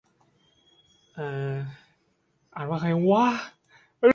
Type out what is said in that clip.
ญัตติจตุตถกรรมวาจา เป็นสังฆกรรมที่มีน้ำหนักมากที่สุด